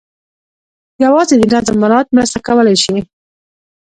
یوازې د نظم مراعات مرسته کولای شي.